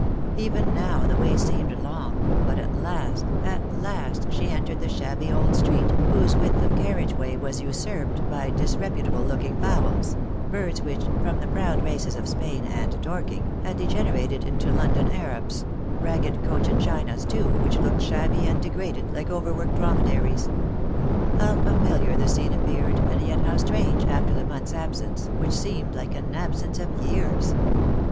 Even now the way seemed long, but at last, at last she entered the shabby old street, whose width of carriage way was usurped by disreputable looking fowls — birds which, from the proud races of Spain and Dorking, had degenerated into London Arabs; ragged Cochin Ohinas, too, which looked shabby and degraded, like over worked dromedaries. How familiar the scene appeared, and yet how strange, after the month's absence, which seemed like an absence of years!